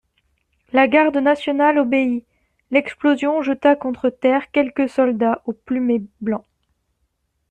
La garde nationale obéit: l'explosion jeta contre terre quelques soldats au plumet blanc.